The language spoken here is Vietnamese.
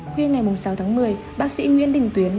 khuya ngày sáu tháng một mươi bác sĩ nguyễn đình tuyến